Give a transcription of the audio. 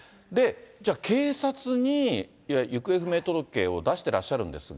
じゃあ、警察に行方不明届を出してらっしゃるんですが。